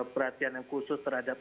perhatian yang khusus terhadap